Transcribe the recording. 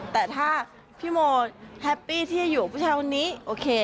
แต่ถ้าพี่โมแฮปปี้ที่จะอยู่แถวนี้โอเค